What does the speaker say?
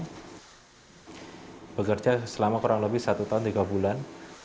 saya bekerja selama kurang lebih satu tahun tiga bulan